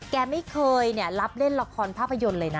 แกไม่เคยรับเล่นละครภาพยนตร์เลยนะ